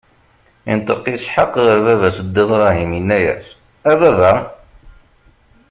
Inṭeq Isḥaq ɣer baba-s Dda Bṛahim, inna-as: A Baba!